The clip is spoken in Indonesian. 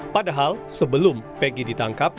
padahal sebelum peggy ditangkap